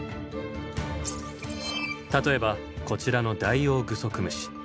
例えばこちらのダイオウグソクムシ。